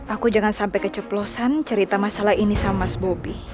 aku jangan sampai keceplosan cerita masalah ini sama mas bobi